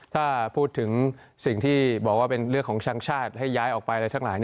ถ้าพูดถึงสิ่งที่บอกว่าเป็นเรื่องของช่างชาติให้ย้ายออกไปอะไรทั้งหลาย